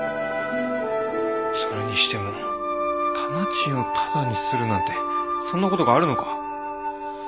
それにしても店賃をただにするなんてそんな事があるのか？